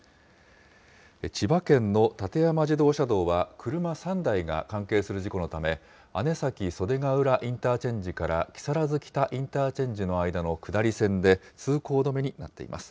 千葉県の館山自動車道は、車３台が関係する事故のため、姉崎袖ケ浦インターチェンジから木更津北インターチェンジの間の下り線で通行止めになっています。